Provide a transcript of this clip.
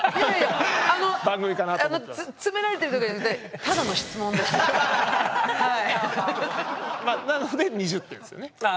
詰められてるとかじゃなくてなので２０点ですよね。